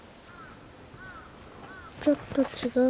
ちょっと違う。